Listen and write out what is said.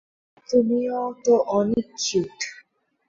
তুমিও তো অনেক কিউট।